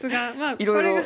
いろいろ。